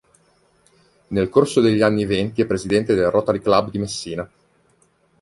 Nel corso degli anni venti è presidente del Rotary Club di Messina.